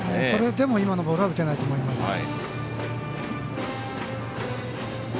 それでも今のボールは打てないと思います。